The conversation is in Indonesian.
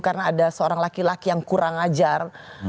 karena ada seorang laki laki yang kurang ajar